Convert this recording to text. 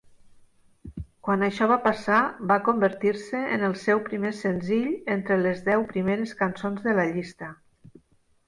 Quan això va passar, va convertir-se en el seu primer senzill entre les deu primeres cançons de la llista.